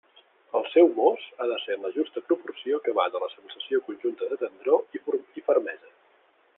El seu mos ha de ser en la justa proporció que va de la sensació conjunta de tendror i fermesa.